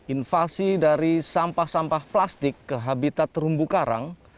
invasi dari sampah sampah plastik ke habitat terumbu karang